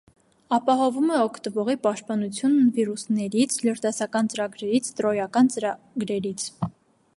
Ապահովում է օգտվողի պաշտպանությունն վիրուսներից, լրտեսական ծրագրերից, տրոյական ծրագրերից։